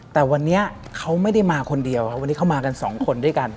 แต่วันนี้เขาไม่ได้มาคนเดียวครับวันนี้เขามากันสองคนด้วยกัน